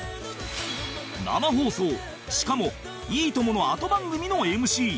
生放送しかも『いいとも！』の後番組の ＭＣ